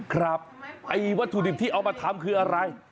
ไอ้วัตถุดิบที่เอามาทำคืออะไร